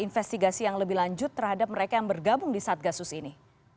investigasi yang lebih lanjut terhadap mereka yang bergabung di satgasus ini